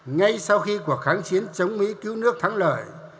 ngay sau khi cuộc kháng chiến chống mỹ cứu nước thắng lợi